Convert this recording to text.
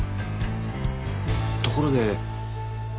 ところで。